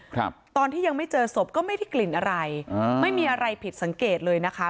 ครับตอนที่ยังไม่เจอศพก็ไม่ได้กลิ่นอะไรอ่าไม่มีอะไรผิดสังเกตเลยนะคะ